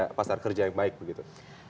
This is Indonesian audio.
apa kerja pasar kerja yang baik begitu